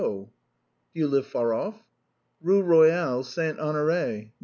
"Do you live far off?" " Eue Eoyale St. Honoré, No.